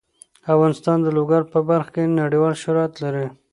افغانستان د لوگر په برخه کې نړیوال شهرت لري.